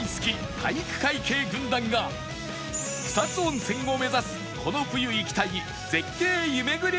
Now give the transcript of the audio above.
体育会系軍団が草津温泉を目指すこの冬行きたい絶景湯めぐりルートへ